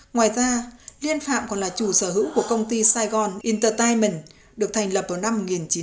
ngoài ra liên phạm còn là chủ sở hữu của công ty saigon entertainment được thành lập vào năm một nghìn chín trăm chín mươi bốn